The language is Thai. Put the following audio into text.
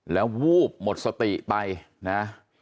แล้ววูบหมดสติไปนะ